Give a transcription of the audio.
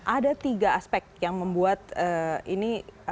ada tiga aspek yang membuat ini